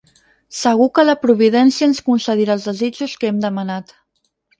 Segur que la providència ens concedirà els desitjos que hem demanat...